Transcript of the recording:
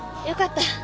よかった。